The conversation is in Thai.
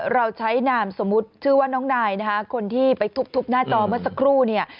เราใช้นามสมมุติชื่อว่าน้องนายนะคะคนที่ไปทุบหน้าจอเมื่อสักครู่เนี่ย